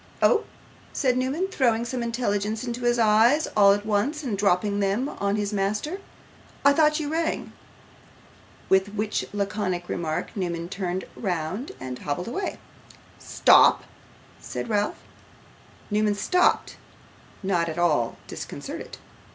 'Oh!' said Newman, throwing some intelligence into his eyes all at once, and dropping them on his master, 'I thought you rang.' With which laconic remark Newman turned round and hobbled away. 'Stop!' said Ralph. Newman stopped; not at all disconcerted.